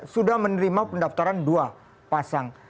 sudah menerima pendaftaran dua pasang